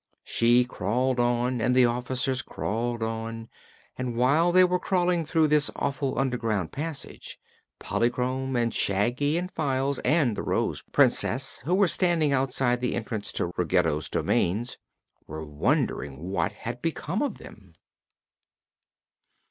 So she crawled on, and the officers crawled on, and while they were crawling through this awful underground passage Polychrome and Shaggy and Files and the Rose Princess, who were standing outside the entrance to Ruggedo's domains, were wondering what had become of them.